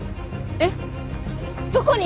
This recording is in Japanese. えっどこに？